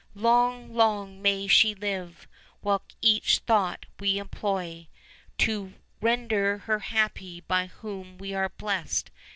Long, long may she live; while each thought we employ, To render her happy by whom we are blessed.